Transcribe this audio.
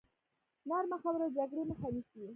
نرمه خبره د جګړې مخه نیسي.